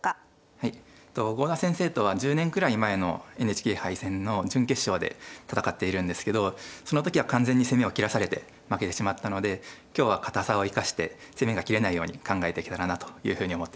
はい郷田先生とは１０年くらい前のＮＨＫ杯戦の準決勝で戦っているんですけどその時は完全に攻めを切らされて負けてしまったので今日は堅さを生かして攻めが切れないように考えていけたらなというふうに思っています。